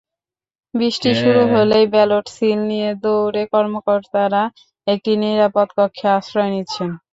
বৃষ্টি শুরু হলেই ব্যালট-সিল নিয়ে দৌড়ে কর্মকর্তারা একটি নিরাপদ কক্ষে আশ্রয় নিচ্ছেন।